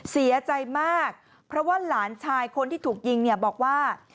เสียใจมากเพราะว่าหลานชายคนที่ถูกยิงเนี่ยบอกว่า